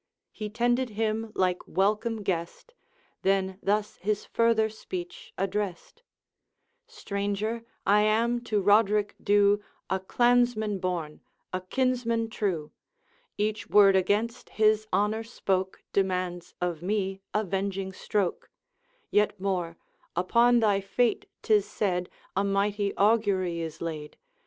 He tended him like welcome guest, Then thus his further speech addressed: 'Stranger, I am to Roderick Dhu A clansman born, a kinsman true; Each word against his honour spoke Demands of me avenging stroke; Yet more, upon thy fate, 'tis said, A mighty augury is laid.